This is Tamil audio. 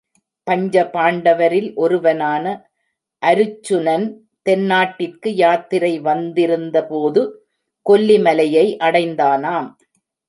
பஞ்ச பாண்டவரில் ஒருவனான அருச்சுனன் தென்னாட்டிற்கு யாத்திரை வந்திருந்தபோது கொல்லி மலையை அடைந்தானாம்.